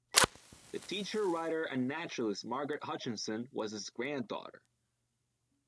The teacher, writer and naturalist Margaret Hutchinson was his granddaughter.